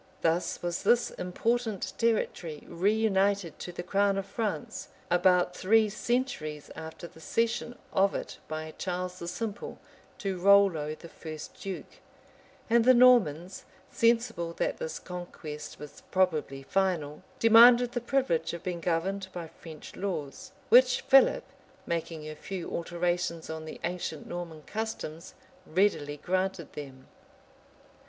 Thus was this important territory reunited to the crown of France, about three centuries after the cession of it by Charles the Simple to Rollo, the first duke; and the Normans, sensible that this conquest was probably final, demanded the privilege of being governed by French laws; which Philip, making a few alterations on the ancient Norman customs, readily granted them.